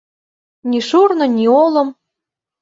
«Ни шурно, ни олым!»